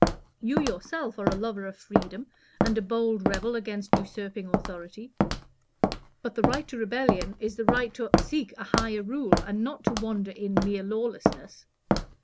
You yourself are a lover of freedom, and a bold rebel against usurping authority. But the right to rebellion is the right to seek a higher rule, and not to wander in mere lawlessness.